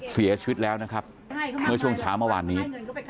เสียชีวิตแล้วนะครับเมื่อช่วงเช้าเมื่อวานนี้